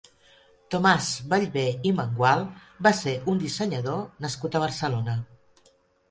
Tomás Vellvé i Mengual va ser un dissenyador nascut a Barcelona.